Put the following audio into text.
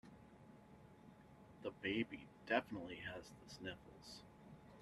The baby definitely has the sniffles.